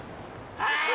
はい！